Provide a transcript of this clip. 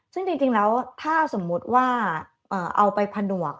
ซึ่งจริงแล้วถ้าสมมุติว่าเอาไปผนวก